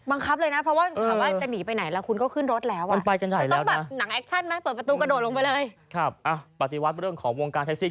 บังคับเลยนะถ้าหวังว่าจะหนีไปไหนแล้วคุณก็ขึ้นรถแล้ว